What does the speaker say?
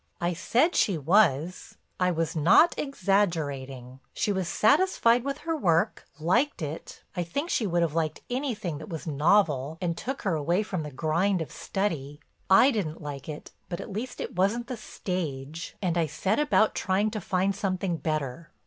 "I said she was—I was not exaggerating. She was satisfied with her work, liked it, I think she would have liked anything that was novel and took her away from the grind of study. I didn't like it, but at least it wasn't the stage, and I set about trying to find something better.